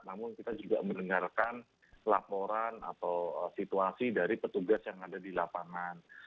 namun kita juga mendengarkan laporan atau situasi dari petugas yang ada di lapangan